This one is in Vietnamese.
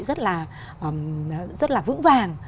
rất là vững vàng